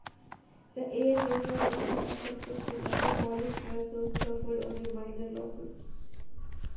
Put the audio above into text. The air raid was mostly unsuccessful and the Polish vessels suffered only minor losses.